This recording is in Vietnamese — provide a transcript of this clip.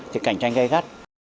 thì cạnh tranh gây gắt